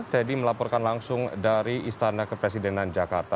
teddy melaporkan langsung dari istana kepresidenan jakarta